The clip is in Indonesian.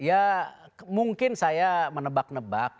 ya mungkin saya menebak nebak